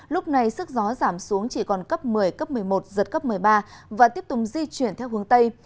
lúc này sức gió giảm xuống chỉ còn cấp một mươi cấp một mươi một giật cấp một mươi ba và tiếp tục di chuyển theo hướng tây